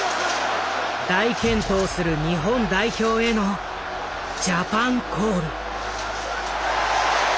大健闘する日本代表へのジャパンコール。